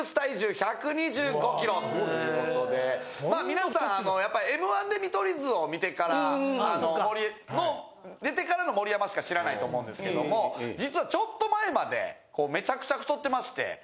皆さん『Ｍ−１』で見取り図を見てから出てからの盛山しか知らないと思うんですけども実はちょっと前までめちゃくちゃ太ってまして。